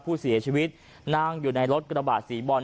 ผู้เสียชีวิตนั่งอยู่ในรถกระบาดสีบอล